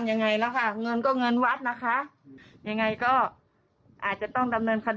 แบบแต่งน้องบบวัดหยัดกับบัรแม่นเลยเหรอ